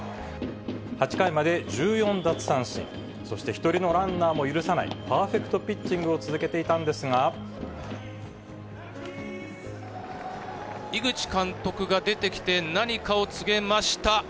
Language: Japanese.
８回まで１４奪三振、そして一人のランナーも許さないパーフェクトピッチングを続けて井口監督が出てきて、何かを告げました。